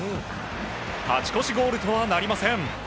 勝ち越しゴールとはなりません。